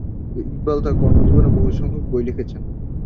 ইকবাল তার কর্মজীবনে বহু সংখ্যক বই লিখেছেন।